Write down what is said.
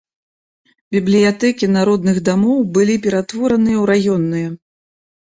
Бібліятэкі народных дамоў былі ператвораныя ў раённыя.